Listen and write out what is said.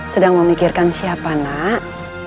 sedang memikirkan siapa nak